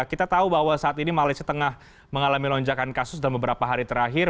kita tahu bahwa saat ini malaysia tengah mengalami lonjakan kasus dalam beberapa hari terakhir